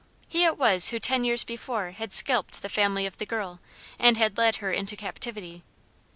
He it was who ten years before had scalped the family of the girl, and had led her into captivity.